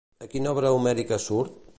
A quina obra homèrica surt?